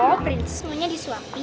oh prinses maunya disuapin